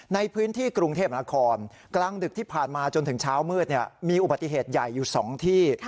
ในพื้นที่กรุงเทพนครกลางดึกที่ผ่านมาจนถึงเช้ามืดมีอุบัติเหตุใหญ่อยู่๒ที่